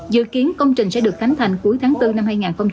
dự kiến công trình sẽ được khánh thành cuối tháng bốn năm hai nghìn hai mươi